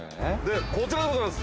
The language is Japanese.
こちらでございます。